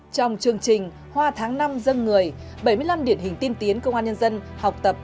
trong chương trình hoa tháng năm dân người bảy mươi năm điển hình tiên tiến công an nhân dân học tập